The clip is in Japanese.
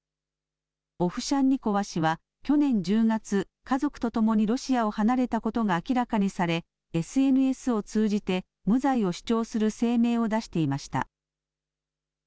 オフシャンニコワ氏は去年１０月、家族と共にロシアを離れたことが明らかにされＳＮＳを通じて無罪を主張する声明を出していました。